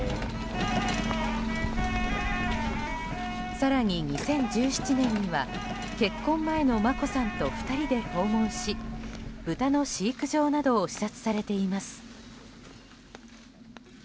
更に、２０１７年には結婚前の眞子さんと２人で訪問し豚の飼育場などを視察されています。